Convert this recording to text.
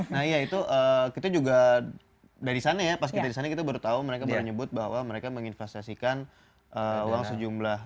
nah iya itu kita juga dari sana ya pas kita di sana kita baru tahu mereka baru nyebut bahwa mereka menginvestasikan uang sejumlah